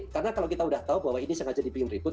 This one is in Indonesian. karena kalau kita udah tahu bahwa ini sengaja dibikin ribut